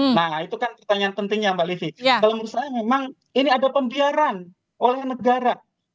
nah itu kan pertanyaan pentingnya mbak livi kalau menurut saya memang ini ada pembiaran oleh negara